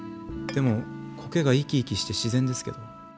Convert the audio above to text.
でも苔が生き生きして自然ですけど。